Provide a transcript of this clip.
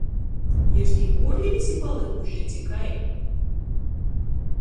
Jius tī kūrli vysi palykuši ci kai?